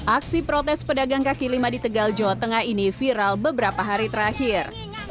aksi protes pedagang kaki lima di tegal jawa tengah ini viral beberapa hari terakhir